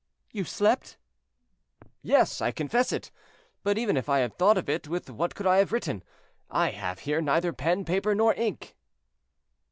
"You slept?" "Yes, I confess it; but even if I had thought of it, with what could I have written? I have here neither pen, paper, nor ink."